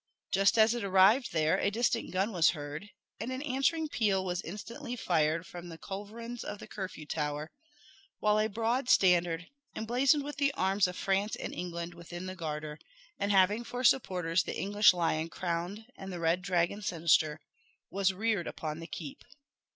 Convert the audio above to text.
Just as it arrived there a distant gun was heard, and an answering peal was instantly fired from the culverins of the Curfew Tower, while a broad standard, emblazoned with the arms of France and England within the garter, and having for supporters the English lion crowned and the red dragon sinister, was reared upon the keep.